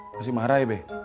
masih marah ya be